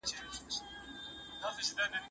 که په ژمي کي کورونه سم ګرم سي، نو ماشومان نه یخیږي.